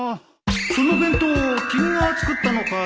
その弁当君が作ったのかい？